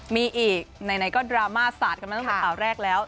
มีอีกในไหนก็ดราม่าสาดกันไม่ต้องเป็นข่าวแรกแล้ว